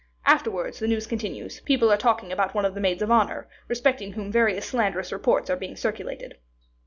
Afterwards, the news continues, people are talking about one of the maids of honor, respecting whom various slanderous reports are being circulated.